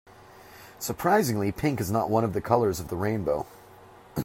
Surprisingly, pink is not one of the colours of the rainbow.